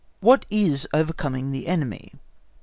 What is overcoming the enemy?